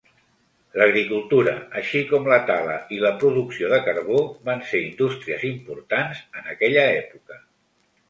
L'agricultura, així com la tala i la producció de carbó, van ser indústries importants en aquella època.